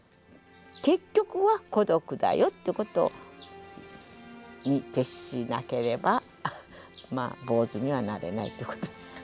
結局は孤独だよってことに徹しなければまあ坊主にはなれないってことです。